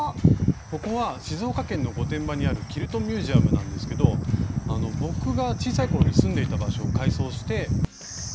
ここは静岡県の御殿場にあるキルトミュージアムなんですけど僕が小さい頃に住んでいた場所を改装してキルトミュージアムになってるんです。